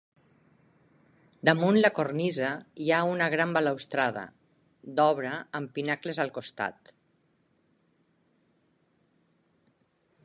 Damunt la cornisa hi ha una gran balustrada d'obra amb pinacles als costats.